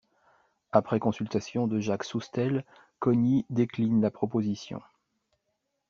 Après consultation de Jacques Soustelle, Cogny décline la proposition.